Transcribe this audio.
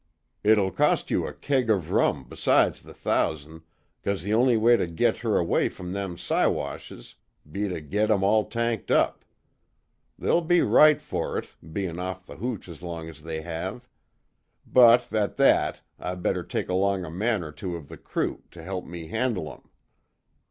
It'll cost you a keg of rum besides the thousan', 'cause the only way to git her away from them Siwashes'll be to git 'em all tanked up. They'll be right fer it, bein' off the hooch as long as they have. But, at that, I better take along a man or two of the crew, to help me handle 'em."